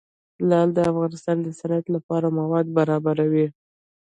لعل د افغانستان د صنعت لپاره مواد برابروي.